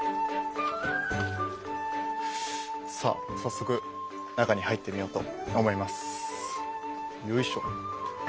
さあ早速中に入ってみようと思います。